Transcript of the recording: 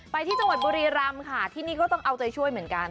ไปที่จังหวัดบุรีรำค่ะที่นี่ก็ต้องเอาใจช่วยเหมือนกัน